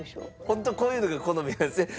ホントこういうのが好みなんですね。